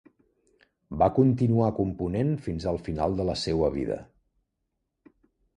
Va continuar component fins al final de la seua vida.